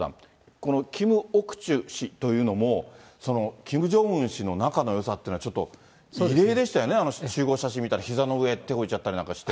このキム・オクチュ氏というのも、キム・ジョンウン氏の仲のよさっていうのは、ちょっと異例でしたよね、集合写真見たら、ひざの上に手置いちゃったりなんかして。